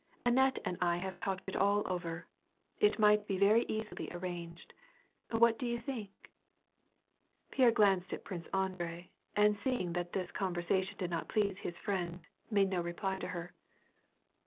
Annette and I have talked it all over ; it might be very easily arranged. What do you think ?" Pierre glanced at Prince Andrei, and seeing that this con versation did not please his friend, made no reply to her.